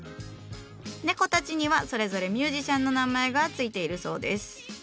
猫たちにはそれぞれミュージシャンの名前が付いているそうです。